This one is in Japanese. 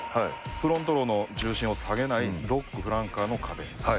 フロントローの重心を下げないロック、フランカーの壁。